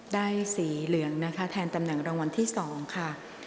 ได้สีเหลืองนะคะแทนตำแหน่งรางวัลที่๒ค่ะ